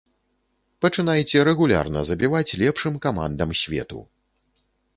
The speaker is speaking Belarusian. Пачынайце рэгулярна забіваць лепшым камандам свету.